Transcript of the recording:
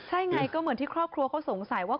ใช่ไงก็เหมือนที่ครอบครัวเขาสงสัยว่า